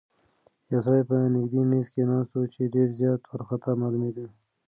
یو سړی په نږدې میز کې ناست و چې ډېر زیات وارخطا معلومېده.